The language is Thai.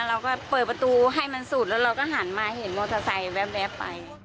เราก็เปิดประตูให้มันสุดแล้วเราก็หันมาเห็นมอเตอร์ไซค์แว๊บไป